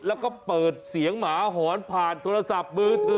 แล้วก็เปิดเสียงหมาหอนผ่านโทรศัพท์มือถือ